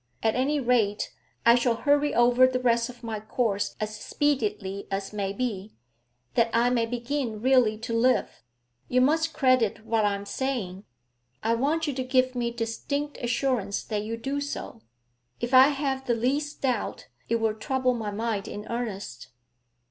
At any rate, I shall hurry over the rest of my course as speedily as may be, that I may begin really to live. You must credit what I am saying; I want you to give me distinct assurance that you do so. If I have the least doubt, it will trouble my mind in earnest.'